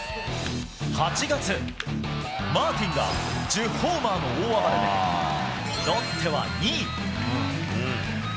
８月、マーティンが１０ホーマーの大暴れでロッテは２位。